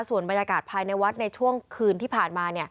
ส่วนบรรยากาศภายในวัดในช่วงคืนที่ผ่านมา